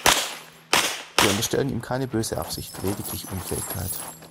Wir unterstellen ihm keine böse Absicht, lediglich Unfähigkeit.